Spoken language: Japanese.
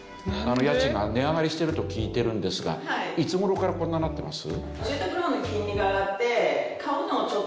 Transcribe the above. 家賃が値上がりしてると聞いてるんですがいつ頃からこんななってます？